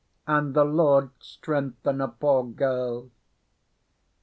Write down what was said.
And the Lord strengthen a poor girl!"